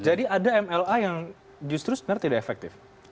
jadi ada mla yang justru sebenarnya tidak efektif